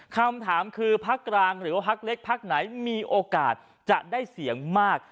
คำถามคือพักกลางหรือว่าพักเล็กพักไหนมีโอกาสจะได้เสียงมาก